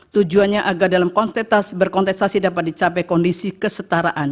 tujuannya agar dalam kontes berkontestasi dapat dicapai kondisi kesetaraan